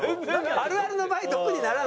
あるあるの場合毒にならない。